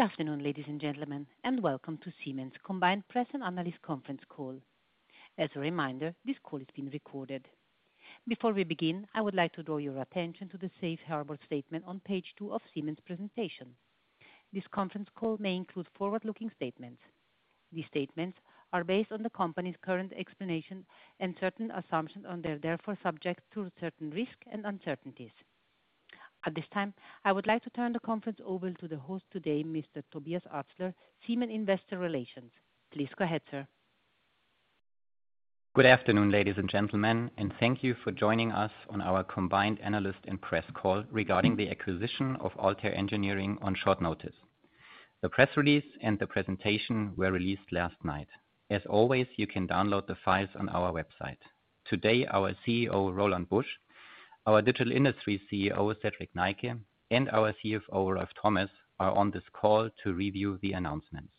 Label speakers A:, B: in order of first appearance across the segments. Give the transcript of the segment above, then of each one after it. A: Good afternoon, ladies and gentlemen, and welcome to Siemens' Combined Press and Analyst Conference Call. As a reminder, this call is being recorded. Before we begin, I would like to draw your attention to the safe harbor statement on page two of Siemens' presentation. This conference call may include forward-looking statements. These statements are based on the company's current explanation and certain assumptions and are therefore subject to certain risks and uncertainties. At this time, I would like to turn the conference over to the host today, Mr. Tobias Atzler, Siemens Investor Relations. Please go ahead, sir.
B: Good afternoon, ladies and gentlemen, and thank you for joining us on our combined analyst and press call regarding the acquisition of Altair Engineering on short notice. The press release and the presentation were released last night. As always, you can download the files on our website. Today, our CEO, Roland Busch, our Digital Industries CEO, Cedrik Neike, and our CFO, Ralf Thomas, are on this call to review the announcements.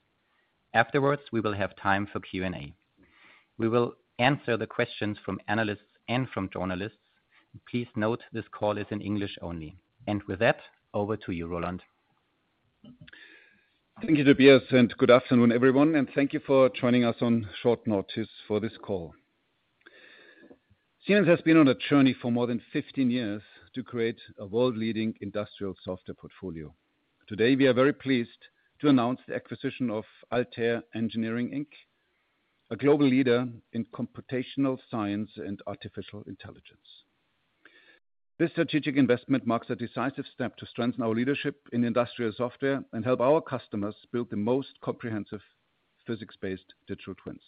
B: Afterwards, we will have time for Q&A. We will answer the questions from analysts and from journalists. Please note this call is in English only. And with that, over to you, Roland.
C: Thank you, Tobias, and good afternoon, everyone, and thank you for joining us on short notice for this call. Siemens has been on a journey for more than 15 years to create a world-leading industrial software portfolio. Today, we are very pleased to announce the acquisition of Altair Engineering, Inc., a global leader in computational science and artificial intelligence. This strategic investment marks a decisive step to strengthen our leadership in industrial software and help our customers build the most comprehensive physics-based digital twins.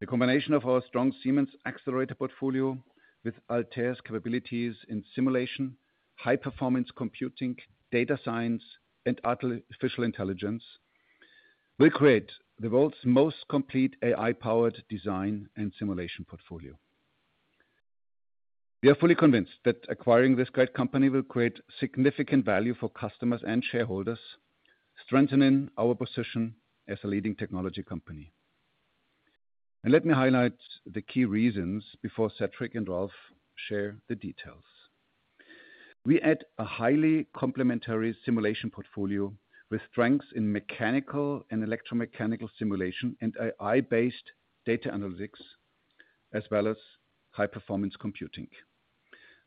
C: The combination of our strong Siemens Xcelerator portfolio with Altair's capabilities in simulation, high-performance computing, data science, and artificial intelligence will create the world's most complete AI-powered design and simulation portfolio. We are fully convinced that acquiring this great company will create significant value for customers and shareholders, strengthening our position as a leading technology company. And let me highlight the key reasons before Cedrik and Ralf share the details. We add a highly complementary simulation portfolio with strengths in mechanical and electromechanical simulation and AI-based data analytics, as well as high-performance computing.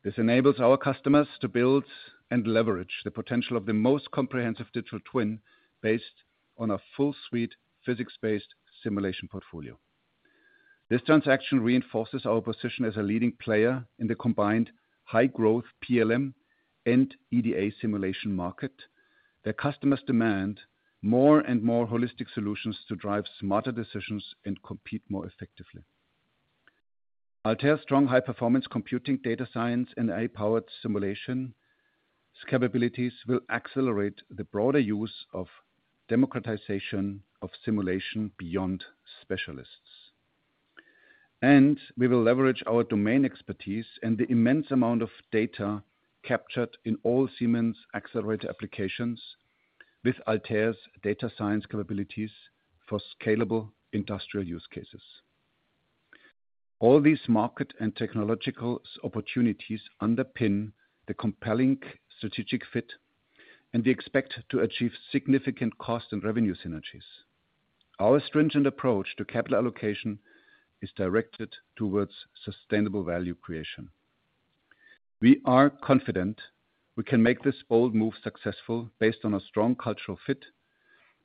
C: This enables our customers to build and leverage the potential of the most comprehensive digital twin based on a full-suite physics-based simulation portfolio. This transaction reinforces our position as a leading player in the combined high-growth PLM and EDA simulation market, where customers demand more and more holistic solutions to drive smarter decisions and compete more effectively. Altair's strong high-performance computing, data science, and AI-powered simulation capabilities will accelerate the broader use of democratization of simulation beyond specialists. And we will leverage our domain expertise and the immense amount of data captured in all Siemens Xcelerator applications with Altair's data science capabilities for scalable industrial use cases. All these market and technological opportunities underpin the compelling strategic fit, and we expect to achieve significant cost and revenue synergies. Our stringent approach to capital allocation is directed towards sustainable value creation. We are confident we can make this bold move successful based on a strong cultural fit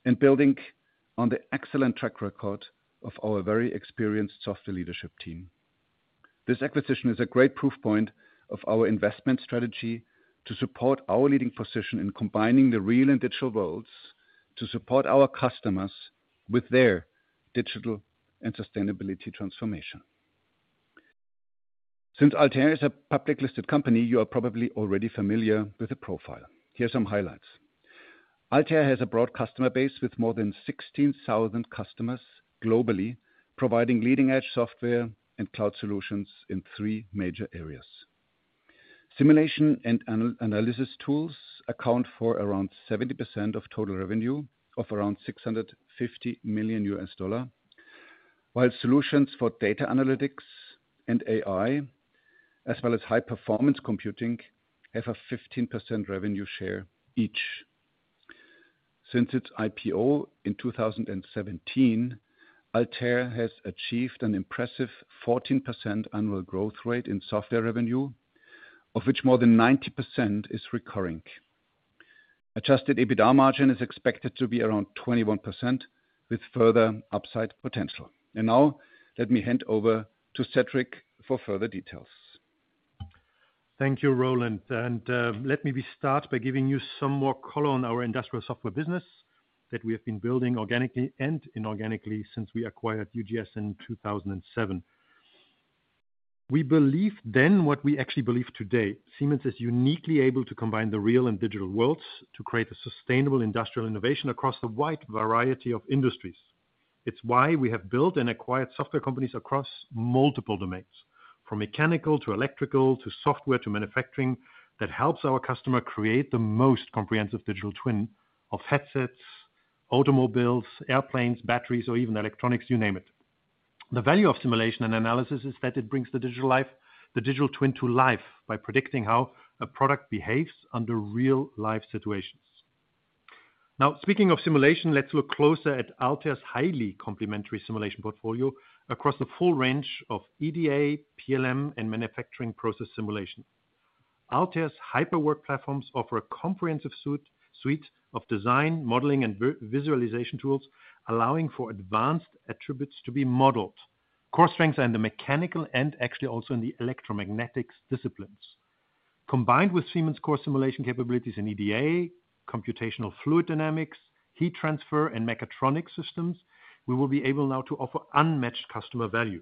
C: and building on the excellent track record of our very experienced software leadership team. This acquisition is a great proof point of our investment strategy to support our leading position in combining the real and digital worlds to support our customers with their digital and sustainability transformation. Since Altair is a publicly listed company, you are probably already familiar with the profile. Here are some highlights. Altair has a broad customer base with more than 16,000 customers globally, providing leading-edge software and cloud solutions in three major areas. Simulation and analysis tools account for around 70% of total revenue of around $650 million, while solutions for data analytics and AI, as well as high-performance computing, have a 15% revenue share each. Since its IPO in 2017, Altair has achieved an impressive 14% annual growth rate in software revenue, of which more than 90% is recurring. Adjusted EBITDA margin is expected to be around 21%, with further upside potential, and now, let me hand over to Cedrik for further details.
D: Thank you, Roland. Let me start by giving you some more color on our industrial software business that we have been building organically and inorganically since we acquired UGS in 2007. We believed then what we actually believe today. Siemens is uniquely able to combine the real and digital worlds to create a sustainable industrial innovation across a wide variety of industries. It's why we have built and acquired software companies across multiple domains, from mechanical to electrical to software to manufacturing, that helps our customer create the most comprehensive digital twin of assets, automobiles, airplanes, batteries, or even electronics, you name it. The value of simulation and analysis is that it brings the digital twin to life by predicting how a product behaves under real-life situations. Now, speaking of simulation, let's look closer at Altair's highly complementary simulation portfolio across the full range of EDA, PLM, and manufacturing process simulation. Altair's HyperWorks platforms offer a comprehensive suite of design, modeling, and visualization tools, allowing for advanced attributes to be modeled. Core strengths are in the mechanical and actually also in the electromagnetics disciplines. Combined with Siemens' core simulation capabilities in EDA, computational fluid dynamics, heat transfer, and mechatronic systems, we will be able now to offer unmatched customer value.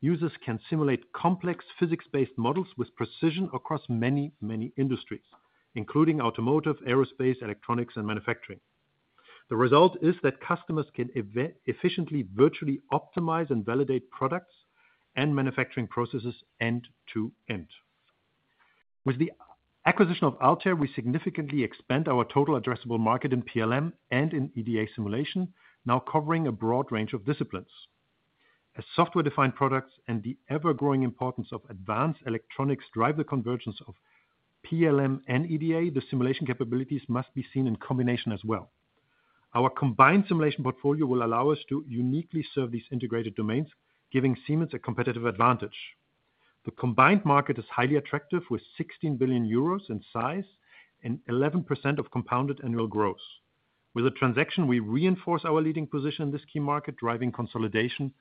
D: Users can simulate complex physics-based models with precision across many, many industries, including automotive, aerospace, electronics, and manufacturing. The result is that customers can efficiently virtually optimize and validate products and manufacturing processes end to end. With the acquisition of Altair, we significantly expand our total addressable market in PLM and in EDA simulation, now covering a broad range of disciplines. As software-defined products and the ever-growing importance of advanced electronics drive the convergence of PLM and EDA, the simulation capabilities must be seen in combination as well. Our combined simulation portfolio will allow us to uniquely serve these integrated domains, giving Siemens a competitive advantage. The combined market is highly attractive, with 16 billion euros in size and 11% of compounded annual growth. With a transaction, we reinforce our leading position in this key market, driving consolidation.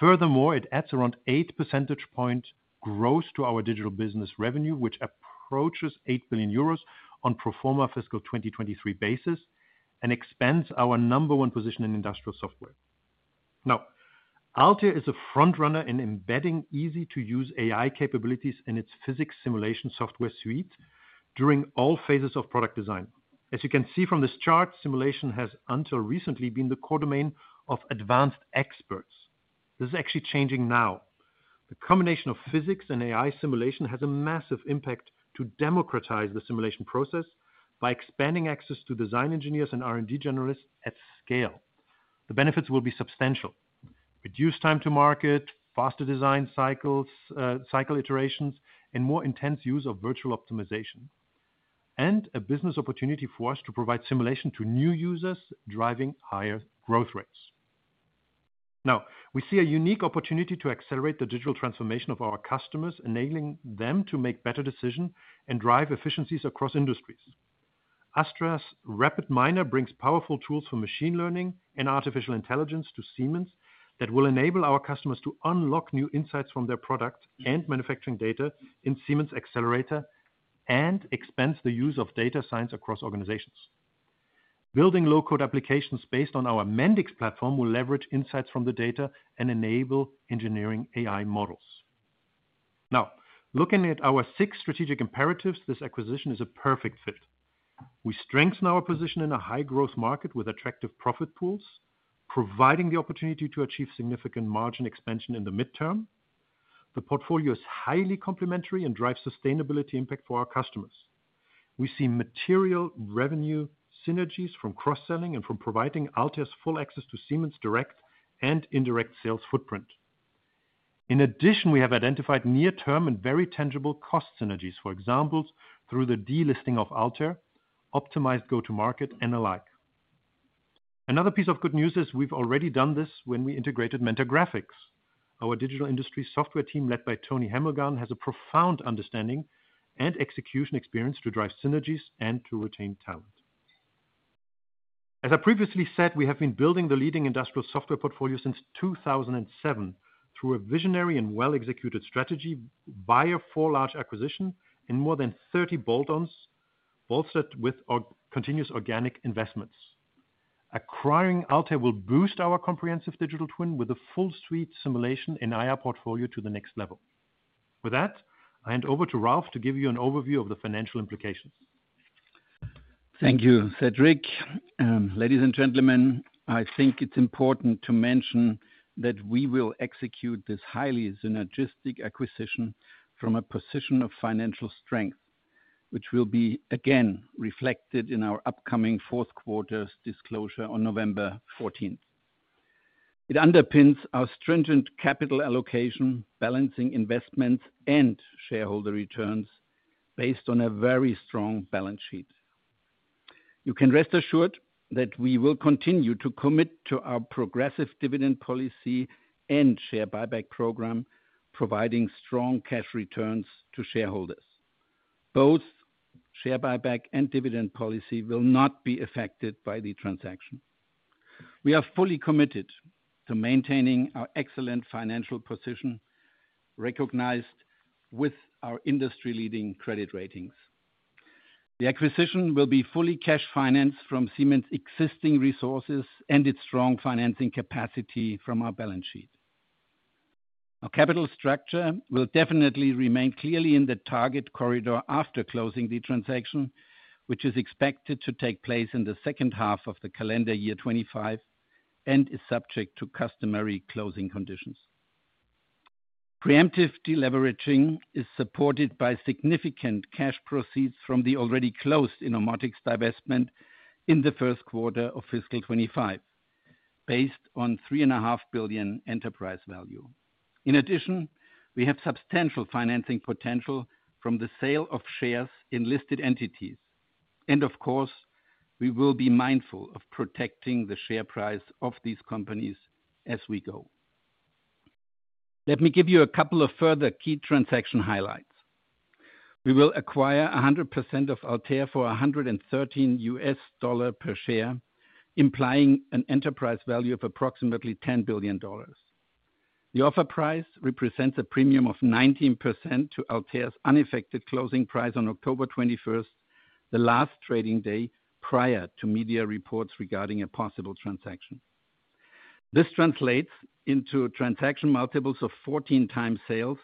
D: Furthermore, it adds around 8 percentage points growth to our digital business revenue, which approaches 8 billion euros on pro forma fiscal 2023 basis and expands our number one position in industrial software. Now, Altair is a front-runner in embedding easy-to-use AI capabilities in its physics simulation software suite during all phases of product design. As you can see from this chart, simulation has until recently been the core domain of advanced experts. This is actually changing now. The combination of physics and AI simulation has a massive impact to democratize the simulation process by expanding access to design engineers and R&D generalists at scale. The benefits will be substantial: reduced time to market, faster design cycle iterations, and more intense use of virtual optimization, and a business opportunity for us to provide simulation to new users, driving higher growth rates. Now, we see a unique opportunity to accelerate the digital transformation of our customers, enabling them to make better decisions and drive efficiencies across industries. Altair's RapidMiner brings powerful tools for machine learning and artificial intelligence to Siemens that will enable our customers to unlock new insights from their product and manufacturing data in Siemens Xcelerator and expand the use of data science across organizations. Building low-code applications based on our Mendix platform will leverage insights from the data and enable engineering AI models. Now, looking at our six strategic imperatives, this acquisition is a perfect fit. We strengthen our position in a high-growth market with attractive profit pools, providing the opportunity to achieve significant margin expansion in the midterm. The portfolio is highly complementary and drives sustainability impact for our customers. We see material revenue synergies from cross-selling and from providing Altair's full access to Siemens' direct and indirect sales footprint. In addition, we have identified near-term and very tangible cost synergies, for example, through the delisting of Altair, optimized go-to-market, and the like. Another piece of good news is we've already done this when we integrated Mentor Graphics. Our Digital Industries Software team, led by Tony Hemmelgarn, has a profound understanding and execution experience to drive synergies and to retain talent. As I previously said, we have been building the leading industrial software portfolio since 2007 through a visionary and well-executed strategy via four large acquisitions and more than 30 bolt-ons, bolstered with continuous organic investments. Acquiring Altair will boost our comprehensive digital twin with a full-suite simulation and AI portfolio to the next level. With that, I hand over to Ralf to give you an overview of the financial implications.
E: Thank you, Cedrik. Ladies and gentlemen, I think it's important to mention that we will execute this highly synergistic acquisition from a position of financial strength, which will be, again, reflected in our upcoming fourth quarter's disclosure on November 14. It underpins our stringent capital allocation, balancing investments and shareholder returns based on a very strong balance sheet. You can rest assured that we will continue to commit to our progressive dividend policy and share buyback program, providing strong cash returns to shareholders. Both share buyback and dividend policy will not be affected by the transaction. We are fully committed to maintaining our excellent financial position, recognized with our industry-leading credit ratings. The acquisition will be fully cash financed from Siemens' existing resources and its strong financing capacity from our balance sheet. Our capital structure will definitely remain clearly in the target corridor after closing the transaction, which is expected to take place in the second half of the calendar year 2025 and is subject to customary closing conditions. Preemptive deleveraging is supported by significant cash proceeds from the already closed Innomotics divestment in the first quarter of fiscal 2025, based on 3.5 billion enterprise value. In addition, we have substantial financing potential from the sale of shares in listed entities. And of course, we will be mindful of protecting the share price of these companies as we go. Let me give you a couple of further key transaction highlights. We will acquire 100% of Altair for $113 per share, implying an enterprise value of approximately $10 billion. The offer price represents a premium of 19% to Altair's unaffected closing price on October 21, the last trading day prior to media reports regarding a possible transaction. This translates into transaction multiples of 14 times sales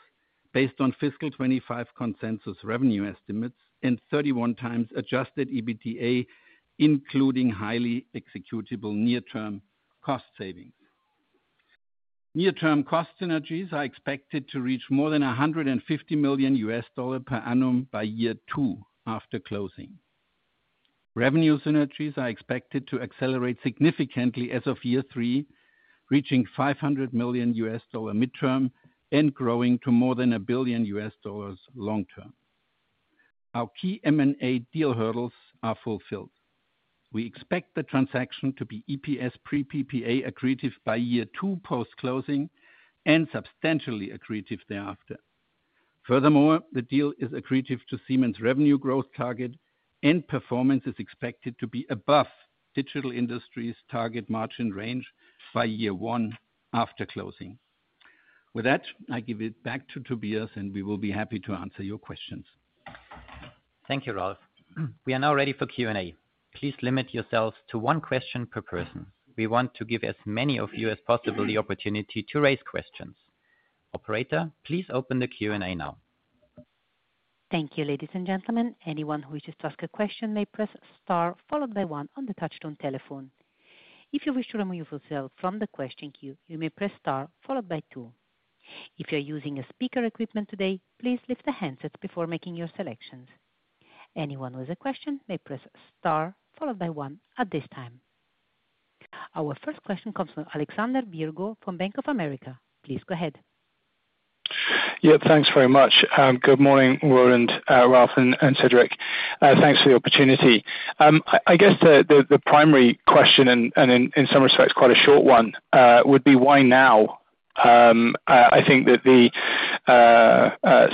E: based on fiscal 2025 consensus revenue estimates and 31x Adjusted EBITDA, including highly executable near-term cost savings. Near-term cost synergies are expected to reach more than $150 million per annum by year two after closing. Revenue synergies are expected to accelerate significantly as of year three, reaching $500 million midterm and growing to more than $1 billion long term. Our key M&A deal hurdles are fulfilled. We expect the transaction to be EPS pre-PPA accretive by year two post-closing and substantially accretive thereafter. Furthermore, the deal is accretive to Siemens' revenue growth target, and performance is expected to be above Digital Industries' target margin range by year one after closing. With that, I give it back to Tobias, and we will be happy to answer your questions.
B: Thank you, Ralf. We are now ready for Q&A. Please limit yourselves to one question per person. We want to give as many of you as possible the opportunity to raise questions. Operator, please open the Q&A now.
A: Thank you, ladies and gentlemen. Anyone who wishes to ask a question may press star followed by one on the touch-tone telephone. If you wish to remove yourself from the question queue, you may press star followed by two. If you're using a speaker equipment today, please lift the handsets before making your selections. Anyone with a question may press star followed by one at this time. Our first question comes from Alexander Virgo from Bank of America. Please go ahead.
F: Yeah, thanks very much. Good morning, Roland, Ralf, and Cedrik. Thanks for the opportunity. I guess the primary question, and in some respects quite a short one, would be why now? I think that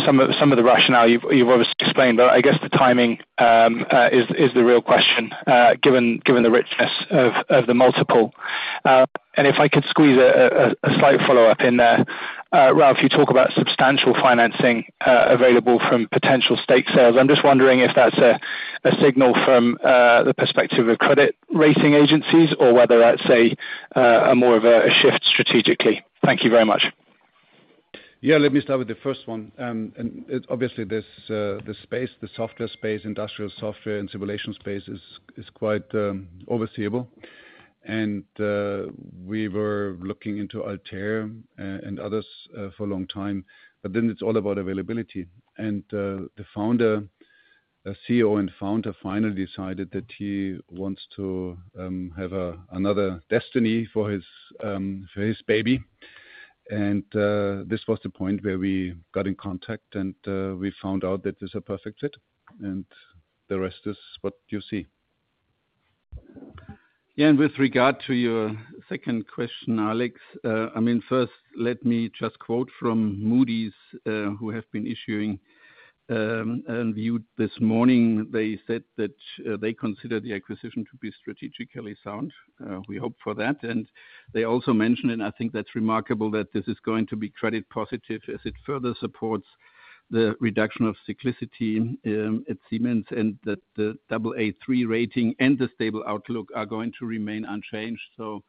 F: some of the rationale you've obviously explained, but I guess the timing is the real question given the richness of the multiple. And if I could squeeze a slight follow-up in there, Ralf, you talk about substantial financing available from potential stake sales. I'm just wondering if that's a signal from the perspective of credit rating agencies or whether that's a more of a shift strategically. Thank you very much.
D: Yeah, let me start with the first one. Obviously, the space, the software space, industrial software and simulation space is quite overseeable. And we were looking into Altair and others for a long time, but then it's all about availability. And the founder, CEO and founder finally decided that he wants to have another destiny for his baby. And this was the point where we got in contact and we found out that this is a perfect fit. And the rest is what you see.
E: Yeah, and with regard to your second question, Alex, I mean, first, let me just quote from Moody's, who have issued a review this morning. They said that they consider the acquisition to be strategically sound. We hope for that. And they also mentioned, and I think that's remarkable, that this is going to be credit positive as it further supports the reduction of cyclicity at Siemens and that the AA3 rating and the stable outlook are going to remain unchanged. So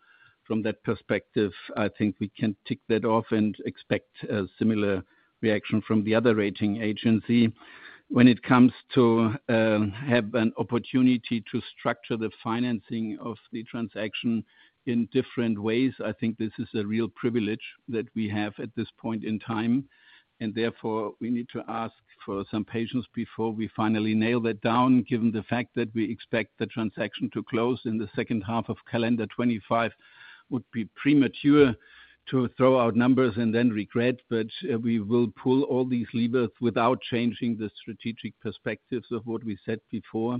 E: from that perspective, I think we can tick that off and expect a similar reaction from the other rating agency. When it comes to having an opportunity to structure the financing of the transaction in different ways, I think this is a real privilege that we have at this point in time. Therefore, we need to ask for some patience before we finally nail that down, given the fact that we expect the transaction to close in the second half of calendar 2025. It would be premature to throw out numbers and then regret, but we will pull all these levers without changing the strategic perspectives of what we said before.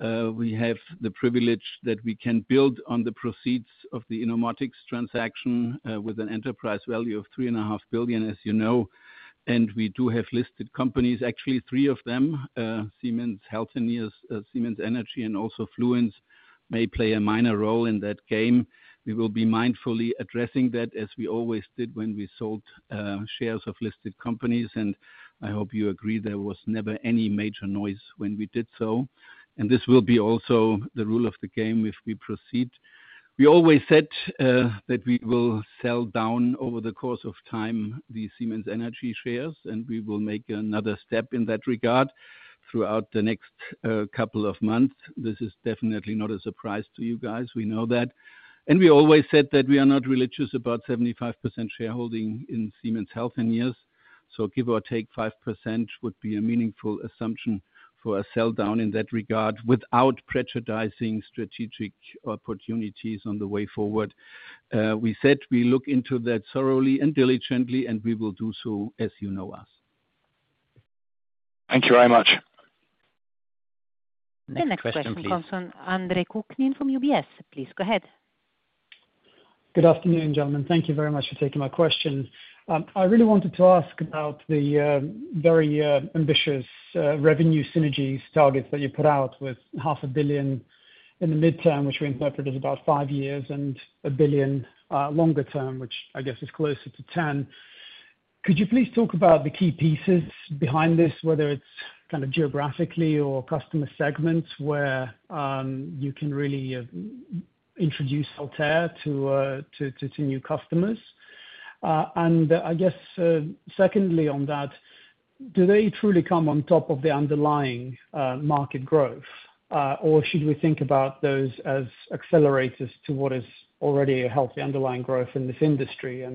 E: We have the privilege that we can build on the proceeds of the Innomotics transaction with an enterprise value of 3.5 billion, as you know. We do have listed companies, actually three of them, Siemens, Siemens Healthineers, Siemens Energy, and also Fluence Energy may play a minor role in that game. We will be mindfully addressing that as we always did when we sold shares of listed companies. I hope you agree there was never any major noise when we did so. This will be also the rule of the game if we proceed. We always said that we will sell down over the course of time the Siemens Energy shares, and we will make another step in that regard throughout the next couple of months. This is definitely not a surprise to you guys. We know that. We always said that we are not religious about 75% shareholding in Siemens Healthineers. So give or take 5% would be a meaningful assumption for a sell down in that regard without prejudicing strategic opportunities on the way forward. We said we look into that thoroughly and diligently, and we will do so as you know us.
F: Thank you very much.
A: Next question, please. Next question comes from Andre Kukhnin from UBS. Please go ahead.
G: Good afternoon, gentlemen. Thank you very much for taking my question. I really wanted to ask about the very ambitious revenue synergies targets that you put out with 500 million in the midterm, which we interpret as about five years, and 1 billion longer term, which I guess is closer to 10. Could you please talk about the key pieces behind this, whether it's kind of geographically or customer segments where you can really introduce Altair to new customers? And I guess secondly on that, do they truly come on top of the underlying market growth, or should we think about those as accelerators to what is already a healthy underlying growth in this industry?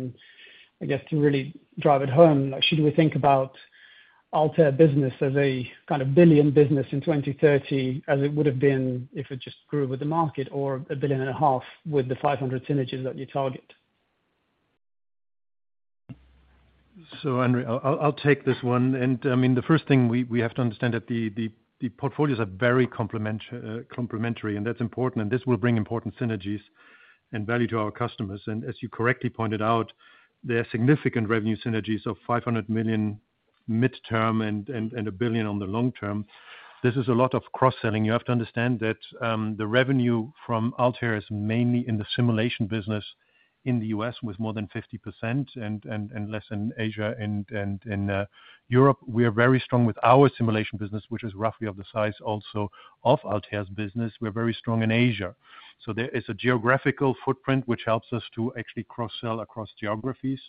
G: I guess to really drive it home, should we think about Altair business as a kind of $1 billion business in 2030 as it would have been if it just grew with the market or $1.5 billion with the $500 million synergies that you target?
D: Andrei, I'll take this one. I mean, the first thing we have to understand is that the portfolios are very complementary, and that's important. This will bring important synergies and value to our customers. As you correctly pointed out, there are significant revenue synergies of 500 million midterm and 1 billion on the long term. This is a lot of cross-selling. You have to understand that the revenue from Altair is mainly in the simulation business in the U.S. with more than 50% and less in Asia and in Europe. We are very strong with our simulation business, which is roughly of the size also of Altair's business. We're very strong in Asia. So there is a geographical footprint which helps us to actually cross-sell across geographies.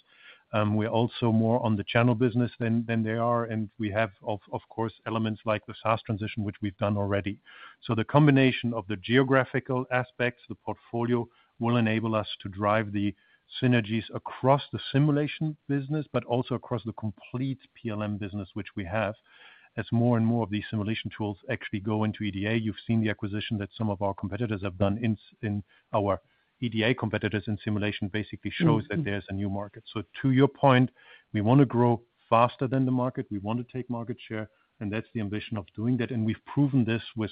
D: We're also more on the channel business than they are. We have, of course, elements like the SaaS transition, which we've done already. So the combination of the geographical aspects, the portfolio will enable us to drive the synergies across the simulation business, but also across the complete PLM business, which we have as more and more of these simulation tools actually go into EDA. You've seen the acquisition that some of our competitors have done in our EDA competitors in simulation basically shows that there's a new market. So to your point, we want to grow faster than the market. We want to take market share, and that's the ambition of doing that. And we've proven this with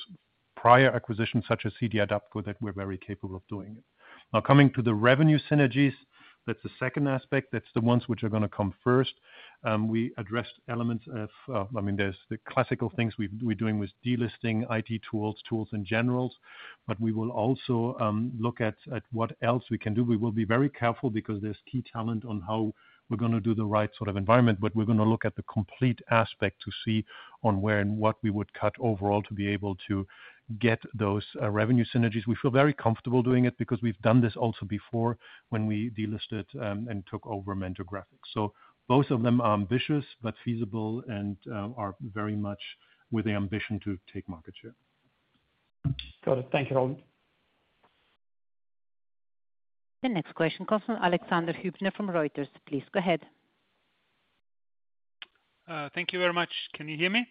D: prior acquisitions such as CD-adapco that we're very capable of doing it. Now, coming to the revenue synergies, that's the second aspect. That's the ones which are going to come first. We addressed elements of, I mean, there's the classical things we're doing with delisting, IT tools, tools in general, but we will also look at what else we can do. We will be very careful because there's key talent on how we're going to do the right sort of environment, but we're going to look at the complete aspect to see on where and what we would cut overall to be able to get those revenue synergies. We feel very comfortable doing it because we've done this also before when we delisted and took over Mentor Graphics. So both of them are ambitious but feasible and are very much with the ambition to take market share.
G: Got it. Thank you all.
A: The next question comes from Alexander Hübner from Reuters. Please go ahead.
H: Thank you very much. Can you hear me?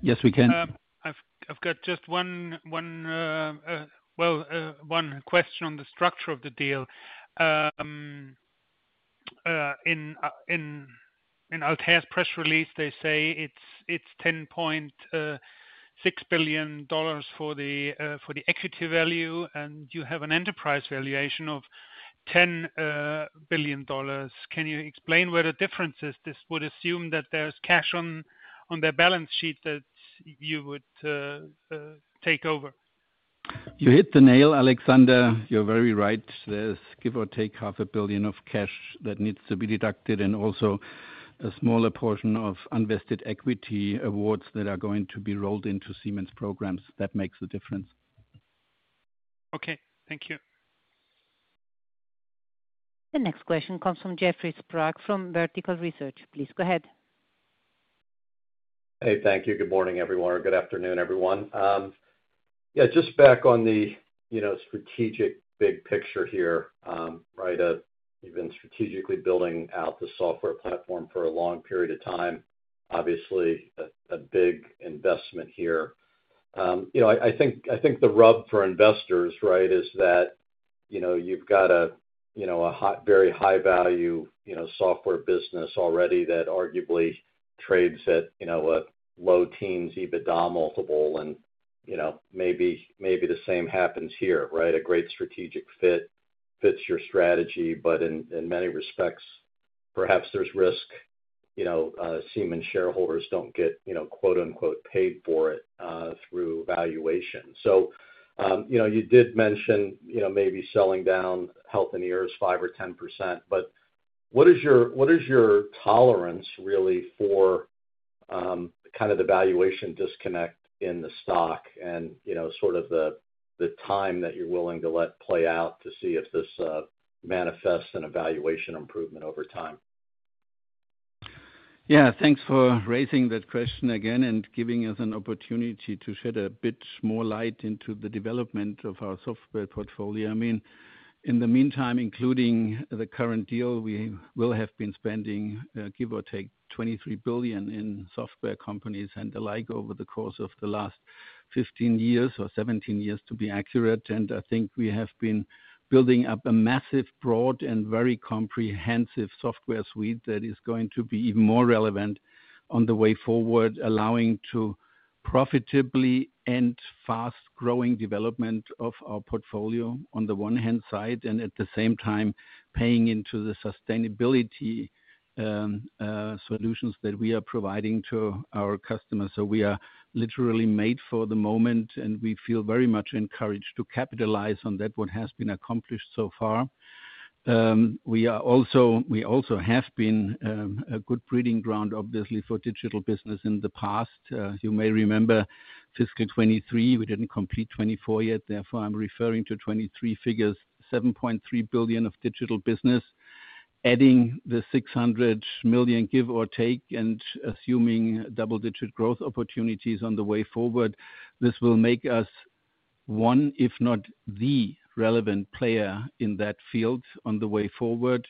E: Yes, we can.
H: I've got just one, well, one question on the structure of the deal. In Altair's press release, they say it's $10.6 billion for the equity value, and you have an enterprise valuation of $10 billion. Can you explain where the difference is? This would assume that there's cash on their balance sheet that you would take over.
E: You hit the nail, Alexander. You're very right. There's give or take $500 million of cash that needs to be deducted and also a smaller portion of unvested equity awards that are going to be rolled into Siemens programs. That makes the difference.
H: Okay. Thank you.
A: The next question comes from Jeffrey Sprague from Vertical Research. Please go ahead.
I: Hey, thank you. Good morning, everyone, or good afternoon, everyone. Yeah, just back on the strategic big picture here, right? You've been strategically building out the software platform for a long period of time. Obviously, a big investment here. I think the rub for investors, right, is that you've got a very high-value software business already that arguably trades at low teens, EBITDA multiple, and maybe the same happens here, right? A great strategic fit fits your strategy, but in many respects, perhaps there's risk Siemens shareholders don't get "paid for it" through valuation. So you did mention maybe selling down Healthineers 5% or 10%, but what is your tolerance really for kind of the valuation disconnect in the stock and sort of the time that you're willing to let play out to see if this manifests in a valuation improvement over time?
E: Yeah, thanks for raising that question again and giving us an opportunity to shed a bit more light into the development of our software portfolio. I mean, in the meantime, including the current deal, we will have been spending give or take 23 billion in software companies and the like over the course of the last 15 years or 17 years, to be accurate. And I think we have been building up a massive, broad, and very comprehensive software suite that is going to be even more relevant on the way forward, allowing to profitably end fast-growing development of our portfolio on the one hand side, and at the same time, paying into the sustainability solutions that we are providing to our customers. So we are literally made for the moment, and we feel very much encouraged to capitalize on that, what has been accomplished so far. We also have been a good breeding ground, obviously, for digital business in the past. You may remember fiscal 2023. We didn't complete 2024 yet. Therefore, I'm referring to 2023 figures, 7.3 billion of digital business. Adding the 600 million, give or take, and assuming double-digit growth opportunities on the way forward, this will make us one, if not the relevant player in that field on the way forward.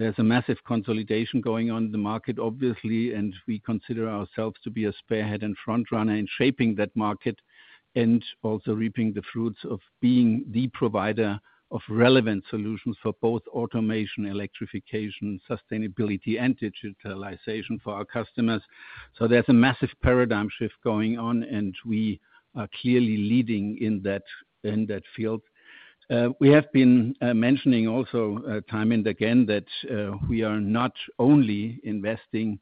E: There's a massive consolidation going on in the market, obviously, and we consider ourselves to be a spearhead and frontrunner in shaping that market and also reaping the fruits of being the provider of relevant solutions for both automation, electrification, sustainability, and digitalization for our customers. So there's a massive paradigm shift going on, and we are clearly leading in that field. We have been mentioning also time and again that we are not only investing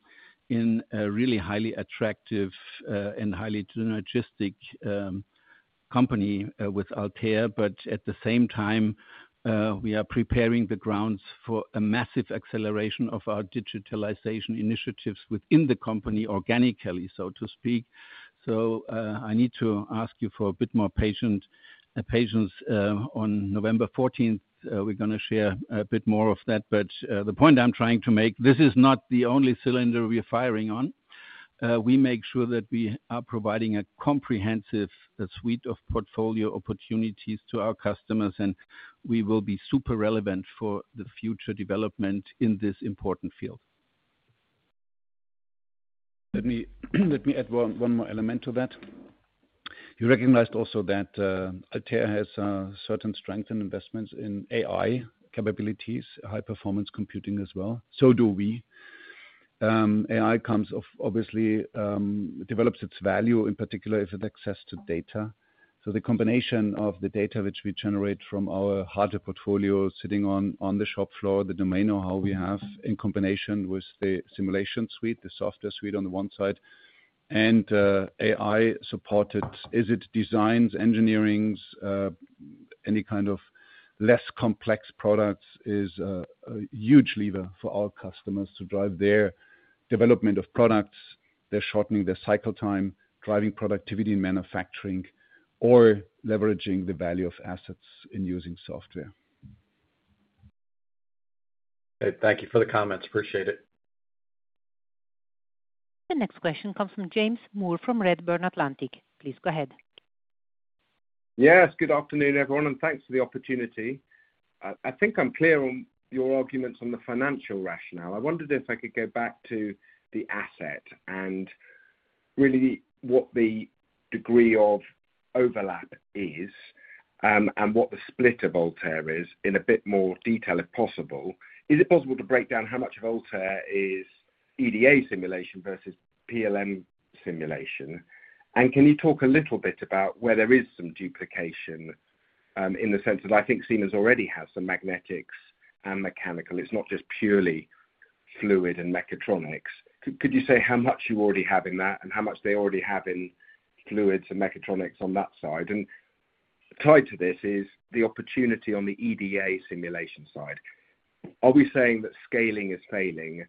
E: in a really highly attractive and highly synergistic company with Altair, but at the same time, we are preparing the grounds for a massive acceleration of our digitalization initiatives within the company organically, so to speak. So I need to ask you for a bit more patience. On November 14th, we're going to share a bit more of that. But the point I'm trying to make, this is not the only cylinder we're firing on. We make sure that we are providing a comprehensive suite of portfolio opportunities to our customers, and we will be super relevant for the future development in this important field. Let me add one more element to that. You recognized also that Altair has certain strengths and investments in AI capabilities, high-performance computing as well. So do we. AI comes, obviously, develops its value, in particular, if it accesses data. So the combination of the data which we generate from our hardware portfolio sitting on the shop floor, the domain know-how we have in combination with the simulation suite, the software suite on the one side, and AI-supported in its designs, engineering, any kind of less complex products is a huge lever for our customers to drive their development of products, shortening their cycle time, driving productivity in manufacturing, or leveraging the value of assets in using software.
I: Thank you for the comments. Appreciate it.
A: The next question comes from James Moore from Redburn Atlantic. Please go ahead.
J: Yes, good afternoon, everyone, and thanks for the opportunity. I think I'm clear on your arguments on the financial rationale. I wondered if I could go back to the asset and really what the degree of overlap is and what the split of Altair is in a bit more detail, if possible. Is it possible to break down how much of Altair is EDA simulation versus PLM simulation? And can you talk a little bit about where there is some duplication in the sense that I think Siemens already has some magnetics and mechanical? It's not just purely fluid and mechatronics. Could you say how much you already have in that and how much they already have in fluids and mechatronics on that side? And tied to this is the opportunity on the EDA simulation side. Are we saying that scaling is failing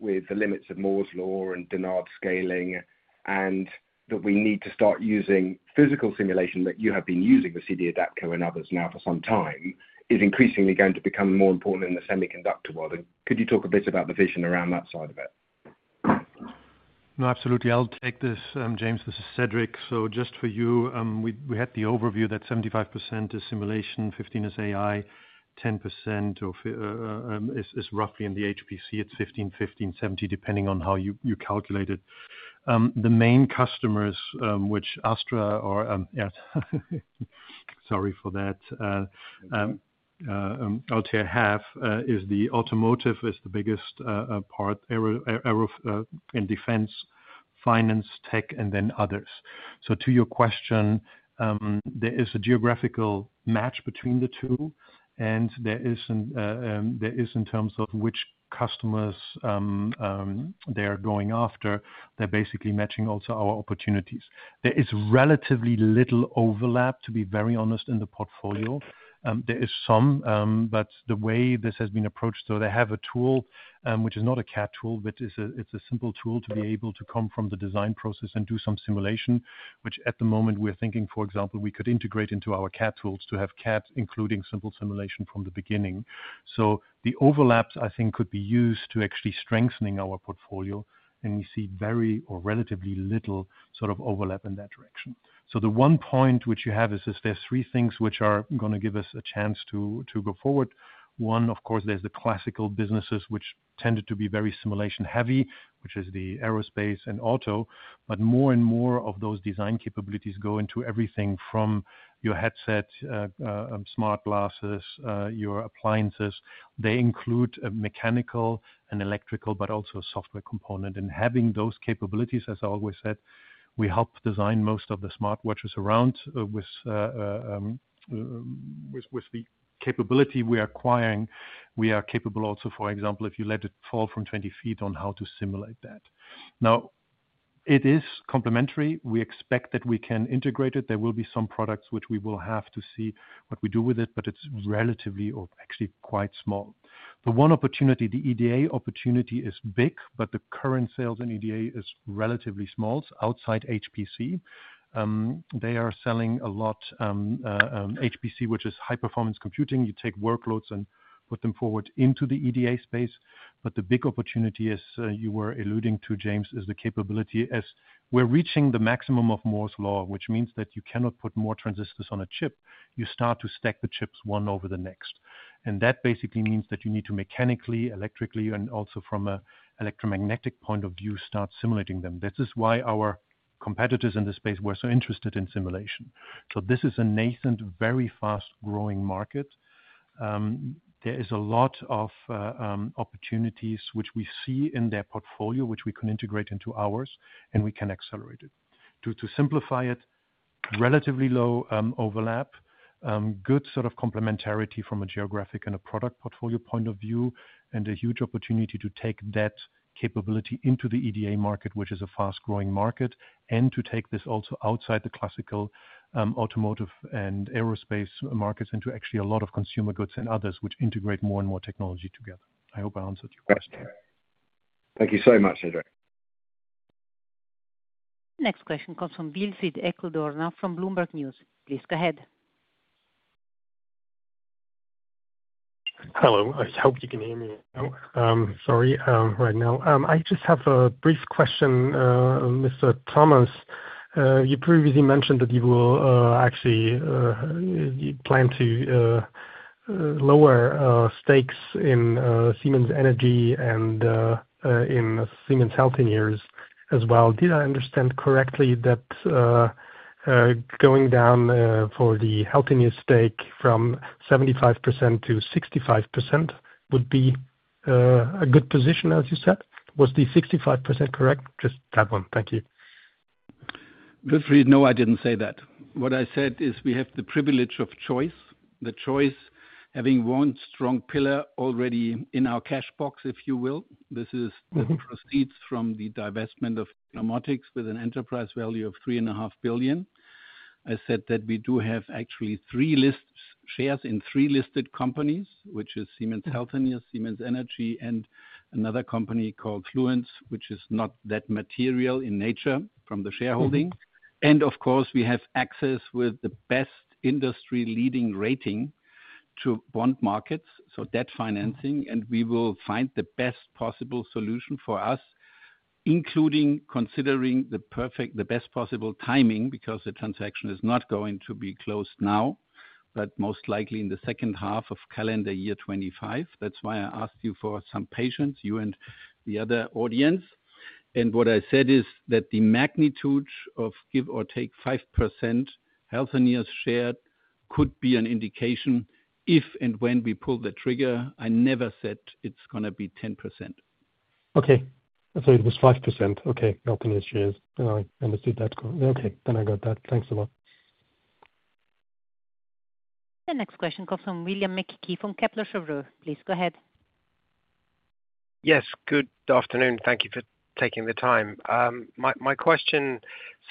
J: with the limits of Moore's Law and Dennard scaling and that we need to start using physical simulation that you have been using, the CD-adapco and others now for some time, is increasingly going to become more important in the semiconductor world? And could you talk a bit about the vision around that side of it?
D: No, absolutely. I'll take this, James. This is Cedrik. So just for you, we had the overview that 75% is simulation, 15% is AI, 10% is roughly in the HPC. It's 15, 15, 70, depending on how you calculate it. The main customers, which Astra, sorry for that, Altair have is the automotive is the biggest part in defense, finance, tech, and then others. So to your question, there is a geographical match between the two, and there is in terms of which customers they are going after. They're basically matching also our opportunities. There is relatively little overlap, to be very honest, in the portfolio. There is some, but the way this has been approached. So they have a tool which is not a CAD tool, but it's a simple tool to be able to come from the design process and do some simulation, which at the moment we're thinking, for example, we could integrate into our CAD tools to have CAD including simple simulation from the beginning. So the overlaps, I think, could be used to actually strengthen our portfolio, and we see very or relatively little sort of overlap in that direction. So the one point which you have is there's three things which are going to give us a chance to go forward. One, of course, there's the classical businesses which tended to be very simulation-heavy, which is the aerospace and auto, but more and more of those design capabilities go into everything from your headset, smart glasses, your appliances. They include a mechanical and electrical, but also a software component, and having those capabilities, as I always said, we help design most of the smartwatches around with the capability we are acquiring. We are capable also, for example, if you let it fall from 20 feet on how to simulate that. Now, it is complementary. We expect that we can integrate it. There will be some products which we will have to see what we do with it, but it's relatively or actually quite small. The one opportunity, the EDA opportunity is big, but the current sales in EDA is relatively small outside HPC. They are selling a lot HPC, which is high-performance computing. You take workloads and put them forward into the EDA space. But the big opportunity, as you were alluding to, James, is the capability as we're reaching the maximum of Moore's Law, which means that you cannot put more transistors on a chip. You start to stack the chips one over the next. And that basically means that you need to mechanically, electrically, and also from an electromagnetic point of view, start simulating them. This is why our competitors in this space were so interested in simulation. So this is a nascent, very fast-growing market. There is a lot of opportunities which we see in their portfolio, which we can integrate into ours, and we can accelerate it. To simplify it, relatively low overlap, good sort of complementarity from a geographic and a product portfolio point of view, and a huge opportunity to take that capability into the EDA market, which is a fast-growing market, and to take this also outside the classical automotive and aerospace markets into actually a lot of consumer goods and others which integrate more and more technology together. I hope I answered your question.
J: Thank you so much, Cedrik.
A: The next question comes from Wilfried Eckl-Dorna now from Bloomberg News. Please go ahead.
K: Hello. I hope you can hear me. I just have a brief question, Mr. Thomas. You previously mentioned that you will actually plan to lower stakes in Siemens Energy and in Siemens Healthineers as well. Did I understand correctly that going down for the Healthineers stake from 75% - 65% would be a good position, as you said? Was the 65% correct? Just that one. Thank you.
E: Beatrice, no, I didn't say that. What I said is we have the privilege of choice, the choice having one strong pillar already in our cash box, if you will. This proceeds from the divestment of Innomotics with an enterprise value of 3.5 billion EUR. I said that we do have actually three listed shares in three listed companies, which are Siemens Healthineers, Siemens Energy, and another company called Fluence, which is not that material in nature from the shareholding. And of course, we have access with the best industry leading rating to bond markets, so debt financing, and we will find the best possible solution for us, including considering the best possible timing because the transaction is not going to be closed now, but most likely in the second half of calendar year 2025. That's why I asked you for some patience, you and the other audience. What I said is that the magnitude of, give or take, 5% Healthineers share could be an indication if and when we pull the trigger. I never said it's going to be 10%.
K: Okay. I thought it was 5%. Okay, Healthineers shares. I understood that. Okay. Then I got that. Thanks a lot.
A: The next question comes from William Mackie from Kepler Cheuvreux. Please go ahead.
L: Yes, good afternoon. Thank you for taking the time. My question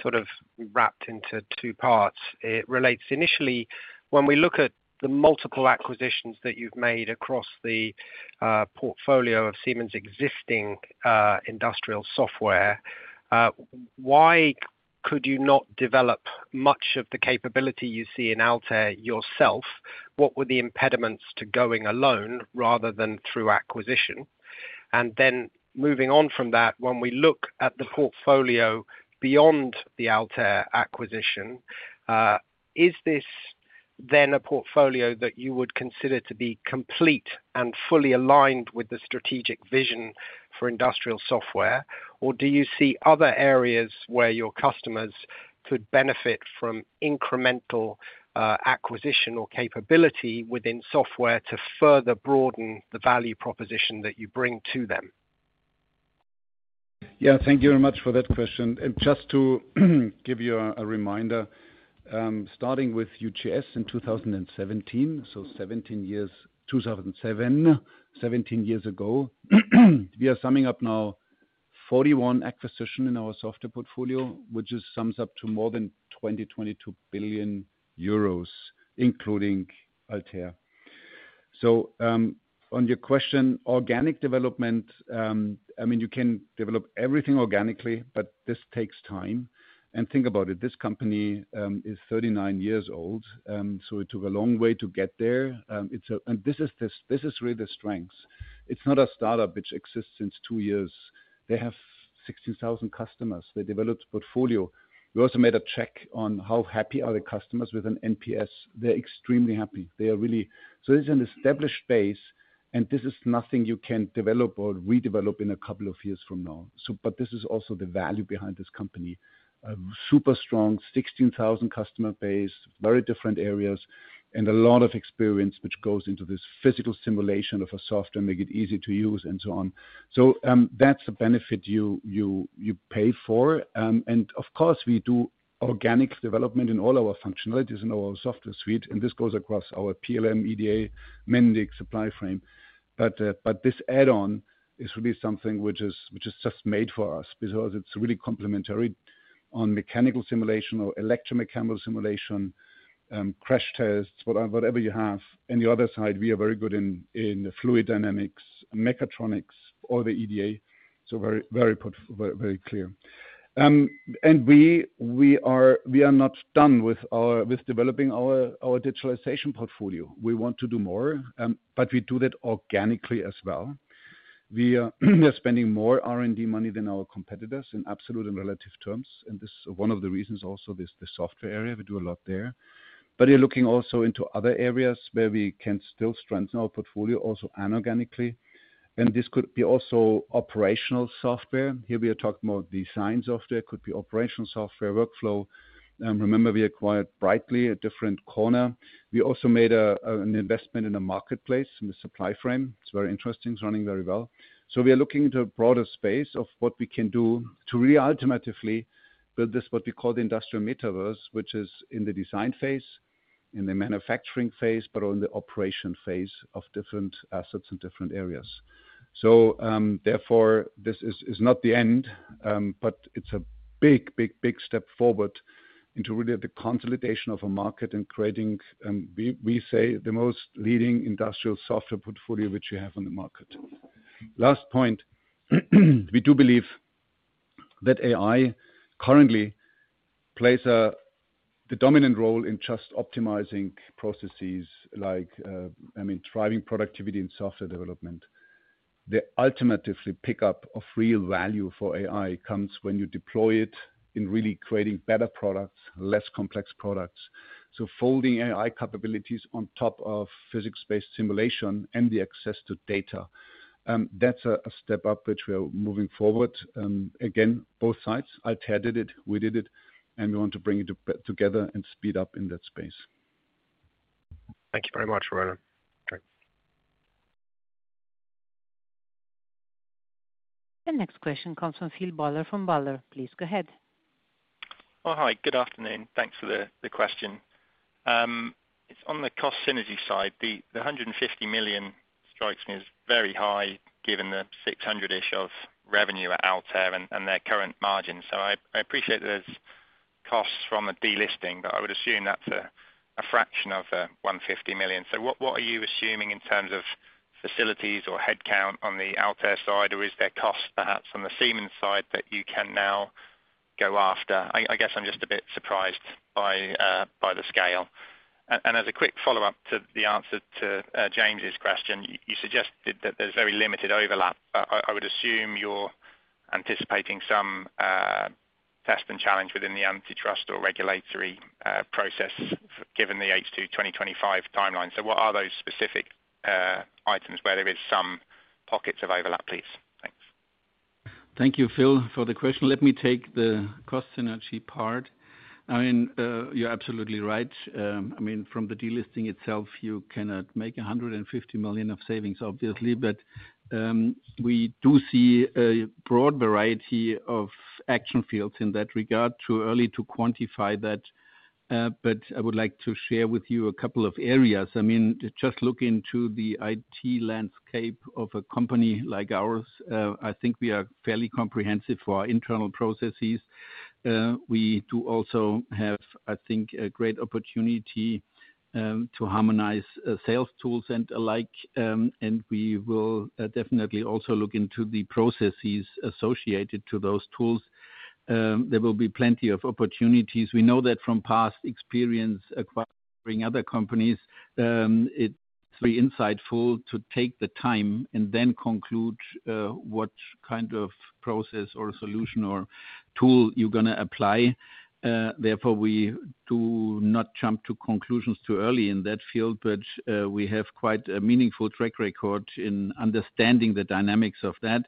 L: sort of wrapped into two parts. It relates initially, when we look at the multiple acquisitions that you've made across the portfolio of Siemens' existing industrial software, why could you not develop much of the capability you see in Altair yourself? What were the impediments to going alone rather than through acquisition? And then moving on from that, when we look at the portfolio beyond the Altair acquisition, is this then a portfolio that you would consider to be complete and fully aligned with the strategic vision for industrial software, or do you see other areas where your customers could benefit from incremental acquisition or capability within software to further broaden the value proposition that you bring to them?
E: Yeah, thank you very much for that question. Just to give you a reminder, starting with UGS in 2017, so 17 years, 2007, 17 years ago, we are summing up now 41 acquisitions in our software portfolio, which sums up to more than 20, 22 billion, including Altair. So on your question, organic development, I mean, you can develop everything organically, but this takes time. Think about it, this company is 39 years old, so it took a long way to get there. This is really the strength. It's not a startup which exists since two years. They have 16,000 customers. They developed a portfolio. We also made a check on how happy are the customers with an NPS. They're extremely happy. This is an established base, and this is nothing you can develop or redevelop in a couple of years from now.
C: But this is also the value behind this company. Super strong, 16,000 customer base, very different areas, and a lot of experience which goes into this physical simulation of a software, make it easy to use, and so on. So that's the benefit you pay for. And of course, we do organic development in all our functionalities in our software suite, and this goes across our PLM, EDA, Mendix, Supplyframe. But this add-on is really something which is just made for us because it's really complementary on mechanical simulation or electromechanical simulation, crash tests, whatever you have. On the other side, we are very good in fluid dynamics, mechatronics, or the EDA. So very clear. And we are not done with developing our digitalization portfolio. We want to do more, but we do that organically as well. We are spending more R&D money than our competitors in absolute and relative terms. And this is one of the reasons also the software area. We do a lot there. But we're looking also into other areas where we can still strengthen our portfolio also inorganically. And this could be also operational software. Here we are talking about design software. It could be operational software, workflow. Remember, we acquired Brightly, a different corner. We also made an investment in a marketplace with Supplyframe. It's very interesting. It's running very well. So we are looking into a broader space of what we can do to really ultimately build this, what we call the Industrial Metaverse, which is in the design phase, in the manufacturing phase, but on the operation phase of different assets and different areas. So therefore, this is not the end, but it's a big, big, big step forward into really the consolidation of a market and creating, we say, the most leading industrial software portfolio which you have on the market. Last point, we do believe that AI currently plays the dominant role in just optimizing processes, I mean, driving productivity in software development. The ultimate pickup of real value for AI comes when you deploy it in really creating better products, less complex products. So folding AI capabilities on top of physics-based simulation and the access to data, that's a step up which we are moving forward. Again, both sides, Altair did it, we did it, and we want to bring it together and speed up in that space.
L: Thank you very much, Roland.
A: The next question comes from Philip Buller from Berenberg. Please go ahead.
M: Hi, good afternoon. Thanks for the question. It's on the cost synergy side. The 150 million strikes me as very high given the 600-ish of revenue at Altair and their current margin. So I appreciate there's costs from a delisting, but I would assume that's a fraction of 150 million. So what are you assuming in terms of facilities or headcount on the Altair side, or is there costs perhaps on the Siemens side that you can now go after? I guess I'm just a bit surprised by the scale. And as a quick follow-up to the answer to James's question, you suggested that there's very limited overlap. I would assume you're anticipating some test and challenge within the antitrust or regulatory process given the H2 2025 timeline. So what are those specific items where there are some pockets of overlap? Please, thanks.
E: Thank you, Phil, for the question. Let me take the cost synergy part. I mean, you're absolutely right. I mean, from the delisting itself, you cannot make 150 million of savings, obviously, but we do see a broad variety of action fields in that regard. Too early to quantify that. But I would like to share with you a couple of areas. I mean, just look into the IT landscape of a company like ours. I think we are fairly comprehensive for our internal processes. We do also have, I think, a great opportunity to harmonize sales tools and the like, and we will definitely also look into the processes associated to those tools. There will be plenty of opportunities. We know that from past experience acquiring other companies, it's very insightful to take the time and then conclude what kind of process or solution or tool you're going to apply. Therefore, we do not jump to conclusions too early in that field, but we have quite a meaningful track record in understanding the dynamics of that,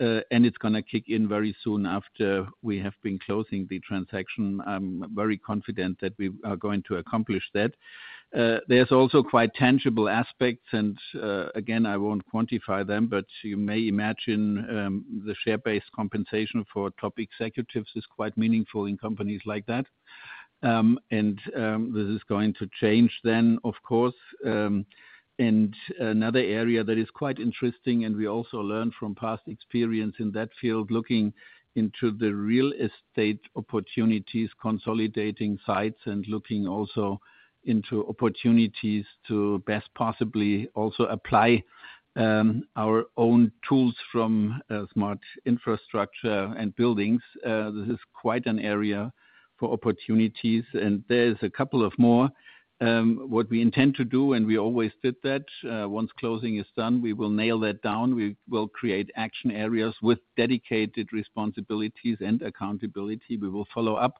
E: and it's going to kick in very soon after we have been closing the transaction. I'm very confident that we are going to accomplish that. There's also quite tangible aspects, and again, I won't quantify them, but you may imagine the share-based compensation for top executives is quite meaningful in companies like that, and this is going to change then, of course. And another area that is quite interesting, and we also learned from past experience in that field, looking into the real estate opportunities, consolidating sites, and looking also into opportunities to best possibly also apply our own tools from Smart Infrastructure and buildings. This is quite an area for opportunities, and there is a couple of more. What we intend to do, and we always did that, once closing is done, we will nail that down. We will create action areas with dedicated responsibilities and accountability. We will follow up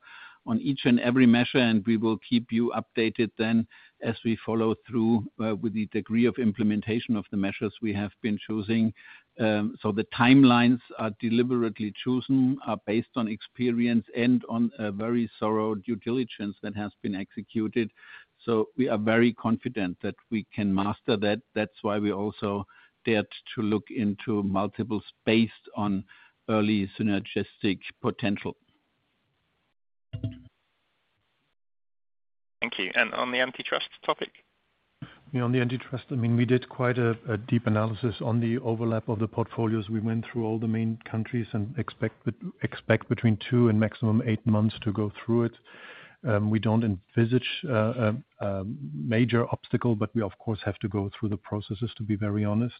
E: on each and every measure, and we will keep you updated then as we follow through with the degree of implementation of the measures we have been choosing. So the timelines are deliberately chosen based on experience and on a very thorough due diligence that has been executed. So we are very confident that we can master that. That's why we also dared to look into multiple based on early synergistic potential.
M: Thank you. And on the antitrust topic?
E: Yeah, on the antitrust, I mean, we did quite a deep analysis on the overlap of the portfolios. We went through all the main countries and expect between two and maximum eight months to go through it. We don't envisage a major obstacle, but we, of course, have to go through the processes to be very honest.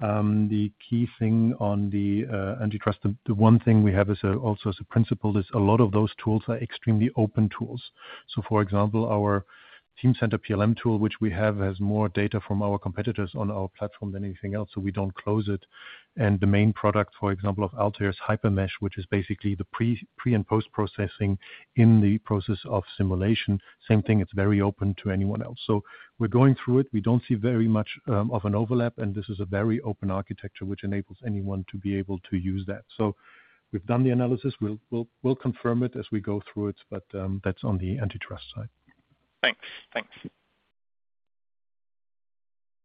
E: The key thing on the antitrust, the one thing we have also as a principle is a lot of those tools are extremely open tools. So, for example, our Teamcenter PLM tool, which we have, has more data from our competitors on our platform than anything else, so we don't close it. And the main product, for example, of Altair is HyperMesh, which is basically the pre and post-processing in the process of simulation. Same thing, it's very open to anyone else. So we're going through it. We don't see very much of an overlap, and this is a very open architecture which enables anyone to be able to use that. So we've done the analysis. We'll confirm it as we go through it, but that's on the antitrust side.
M: Thanks. Thanks.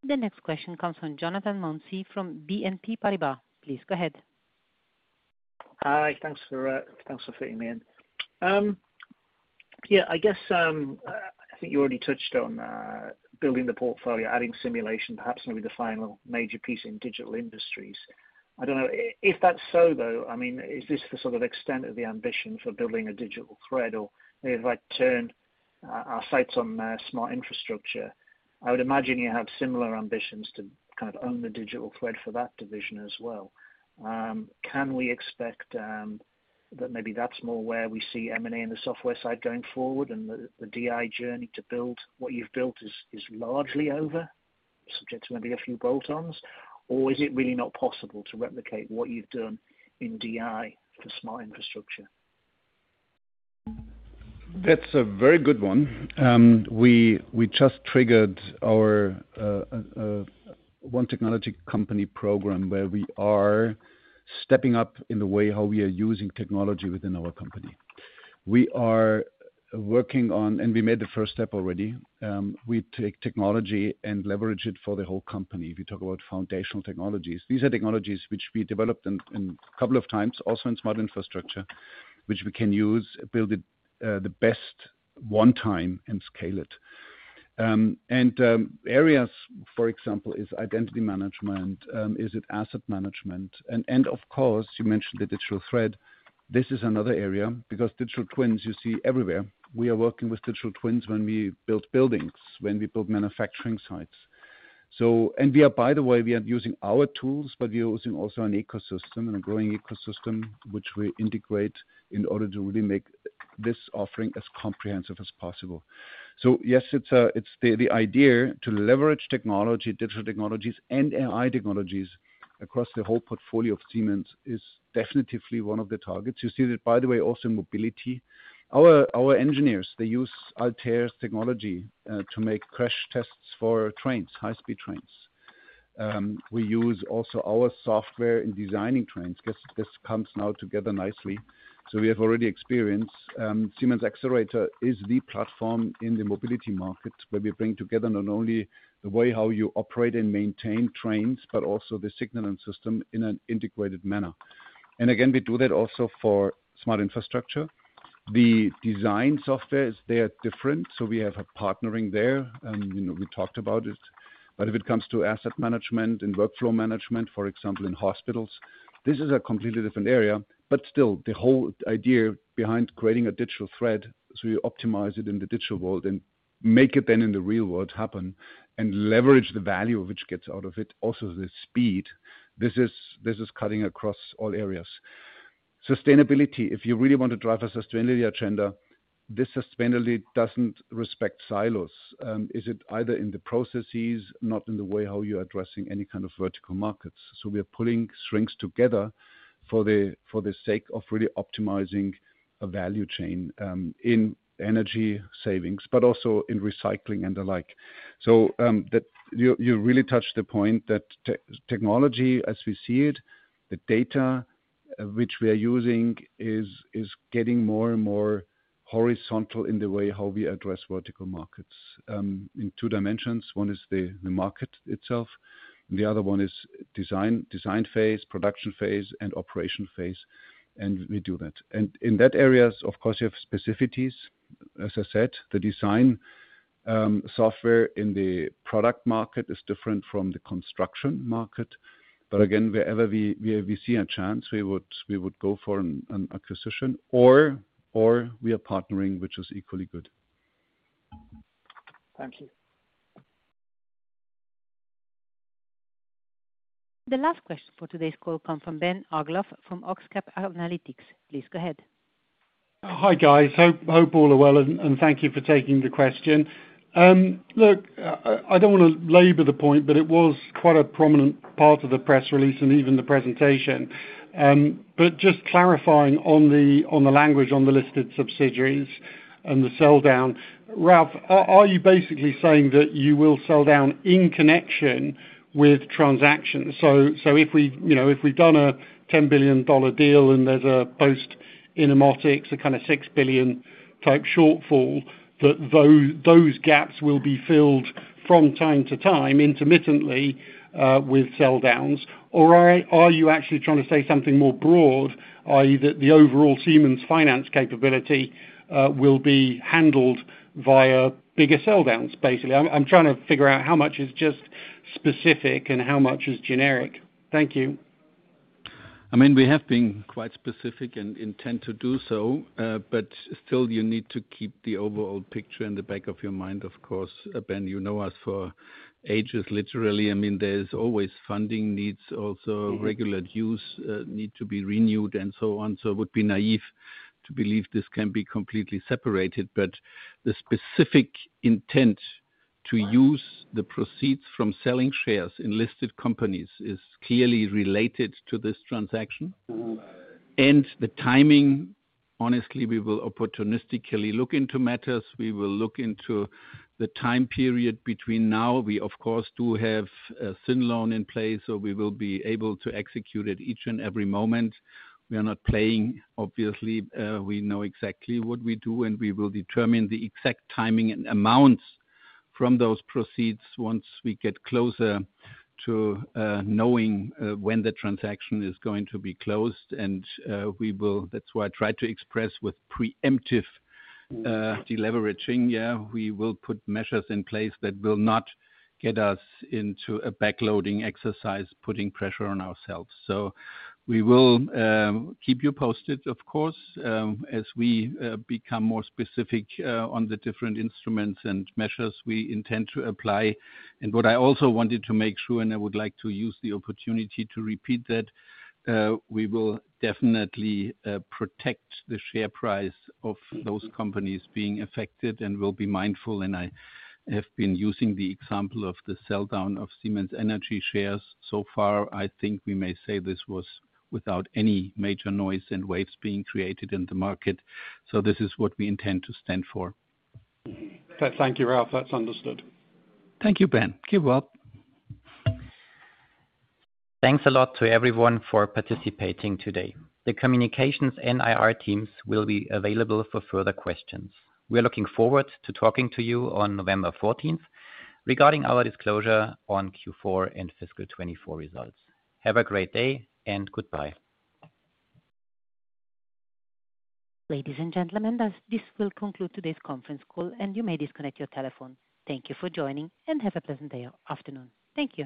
A: The next question comes from Jonathan Mounsey from BNP Paribas. Please go ahead.
N: Hi, thanks for fitting me in. Yeah, I guess I think you already touched on building the portfolio, adding simulation, perhaps maybe the final major piece in Digital Industries. I don't know if that's so, though. I mean, is this the sort of extent of the ambition for building a Digital Thread? Or if I turn our sights on Smart Infrastructure, I would imagine you have similar ambitions to kind of own the Digital Thread for that division as well. Can we expect that maybe that's more where we see M&A on the software side going forward and the DI journey to build what you've built is largely over, subject to maybe a few bolt-ons? Or is it really not possible to replicate what you've done in DI for Smart Infrastructure?
D: That's a very good one. We just triggered our One Technology Company program where we are stepping up in the way how we are using technology within our company. We are working on, and we made the first step already. We take technology and leverage it for the whole company. We talk about foundational technologies. These are technologies which we developed a couple of times, also in Smart Infrastructure, which we can use, build it the best one time, and scale it. And areas, for example, is identity management. Is it asset management? And of course, you mentioned the Digital Thread. This is another area because Digital Twins you see everywhere. We are working with Digital Twins when we build buildings, when we build manufacturing sites. And by the way, we are using our tools, but we are using also an ecosystem and a growing ecosystem which we integrate in order to really make this offering as comprehensive as possible. So yes, the idea to leverage digital technologies and AI technologies across the whole portfolio of Siemens is definitely one of the targets. You see that, by the way, also in Mobility. Our engineers, they use Altair's technology to make crash tests for trains, high-speed trains. We use also our software in designing trains. This comes now together nicely. So we have already experienced. Siemens Xcelerator is the platform in the Mobility market where we bring together not only the way how you operate and maintain trains, but also the signaling system in an integrated manner. And again, we do that also for Smart Infrastructure. The design software is there different. So we have a partnering there. We talked about it. But if it comes to asset management and workflow management, for example, in hospitals, this is a completely different area. But still, the whole idea behind creating a Digital Thread is we optimize it in the digital world and make it then in the real world happen and leverage the value of which gets out of it, also the speed. This is cutting across all areas. Sustainability. If you really want to drive a sustainability agenda, this sustainability doesn't respect silos. Is it either in the processes, not in the way how you're addressing any kind of vertical markets? So we are pulling strings together for the sake of really optimizing a value chain in energy savings, but also in recycling and the like. So, you really touched the point that technology, as we see it, the data which we are using is getting more and more horizontal in the way how we address vertical markets in two dimensions. One is the market itself. The other one is design phase, production phase, and operation phase. And we do that. And in that area, of course, you have specificities. As I said, the design software in the product market is different from the construction market. But again, wherever we see a chance, we would go for an acquisition, or we are partnering, which is equally good.
N: Thank you.
A: The last question for today's call comes from Ben Uglow from OxCap Analytics. Please go ahead.
O: Hi, guys. Hope all are well, and thank you for taking the question. Look, I don't want to labor the point, but it was quite a prominent part of the press release and even the presentation, but just clarifying on the language on the listed subsidiaries and the sell down, Ralf, are you basically saying that you will sell down in connection with transactions? So if we've done a $10 billion deal and there's a post-Innomotics, a kind of $6 billion type shortfall, that those gaps will be filled from time to time intermittently with sell downs, or are you actually trying to say something more broad, i.e., that the overall Siemens finance capability will be handled via bigger sell downs, basically? I'm trying to figure out how much is just specific and how much is generic. Thank you.
E: I mean, we have been quite specific and intend to do so, but still, you need to keep the overall picture in the back of your mind, of course. Ben, you know us for ages, literally. I mean, there's always funding needs, also regular dues need to be renewed and so on. So it would be naive to believe this can be completely separated. But the specific intent to use the proceeds from selling shares in listed companies is clearly related to this transaction. And the timing, honestly, we will opportunistically look into matters. We will look into the time period between now. We, of course, do have a syndicated loan in place, so we will be able to execute at each and every moment. We are not playing, obviously. We know exactly what we do, and we will determine the exact timing and amounts from those proceeds once we get closer to knowing when the transaction is going to be closed. And that's why I try to express with preemptive deleveraging, yeah, we will put measures in place that will not get us into a backloading exercise, putting pressure on ourselves. So we will keep you posted, of course, as we become more specific on the different instruments and measures we intend to apply. And what I also wanted to make sure, and I would like to use the opportunity to repeat that, we will definitely protect the share price of those companies being affected and will be mindful. And I have been using the example of the sell down of Siemens Energy shares so far. I think we may say this was without any major noise and waves being created in the market, so this is what we intend to stand for.
O: Thank you, Ralf. That's understood.
E: Thank you, Ben. Keep well.
B: Thanks a lot to everyone for participating today. The communications and IR teams will be available for further questions. We are looking forward to talking to you on November 14th regarding our disclosure on Q4 and fiscal 2024 results. Have a great day and goodbye.
A: Ladies and gentlemen, this will conclude today's conference call, and you may disconnect your telephone. Thank you for joining, and have a pleasant afternoon. Thank you.